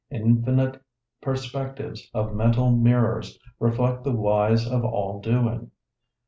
Infinite perspectives of mental mirrors reflect the whys of all doing.